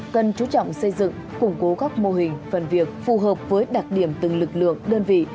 cần chú trọng xây dựng củng cố các mô hình phần việc phù hợp với đặc điểm từng lực lượng đơn vị